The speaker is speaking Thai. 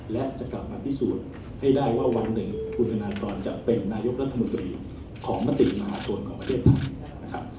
และจะกลับมาพิสูจน์ให้ได้ว่าวันหนึ่งคุณธนากรจะเป็นนายกรัฐมนตรีของมติมหาชนของประเทศไทยนะครับ